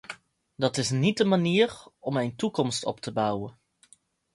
Dat is niet de manier om een toekomst op te bouwen.